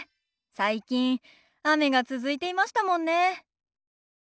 最近雨が続いていましたもんね。